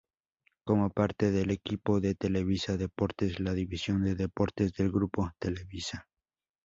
Como parte del equipo de Televisa Deportes, la división de deportes del Grupo Televisa.